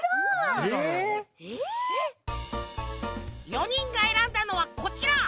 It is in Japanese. ４にんがえらんだのはこちら。